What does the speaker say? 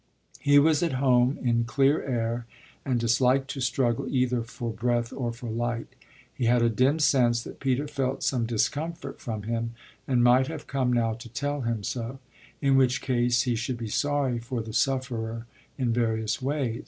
He was at home in clear air and disliked to struggle either for breath or for light. He had a dim sense that Peter felt some discomfort from him and might have come now to tell him so; in which case he should be sorry for the sufferer in various ways.